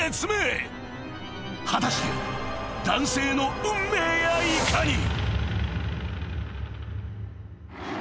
［果たして男性の運命やいかに］